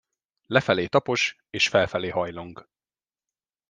Lefelé tapos és felfelé hajlong.